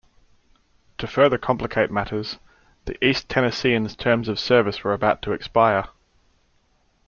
To further complicate matters, the East Tennesseans' terms of service were about to expire.